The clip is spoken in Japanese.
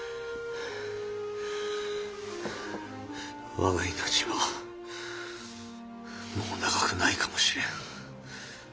我が命はもう長くないかもしれん。